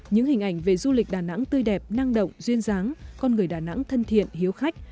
những hình ảnh về du lịch đà nẵng tươi đẹp năng động duyên dáng con người đà nẵng thân thiện hiếu khách